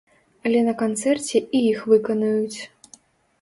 Але на канцэрце і іх выканаюць.